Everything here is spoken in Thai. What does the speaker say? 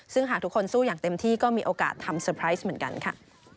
ซึ่งหากทุกคนสู้อย่างเต็มที่ก็มีโอกาสทำเตอร์ไพรส์เหมือนกันค่ะ